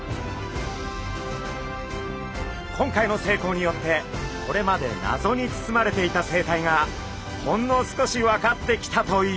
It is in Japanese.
今回の成功によってこれまで謎に包まれていた生態がほんの少し分かってきたといいます。